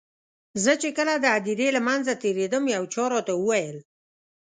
زه چې کله د هدیرې له منځه تېرېدم یو چا راته وویل.